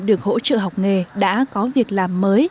được hỗ trợ học nghề đã có việc làm mới